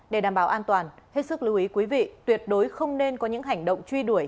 để đảm bảo an toàn hết sức lưu ý quý vị tuyệt đối không nên có những hành động truy đuổi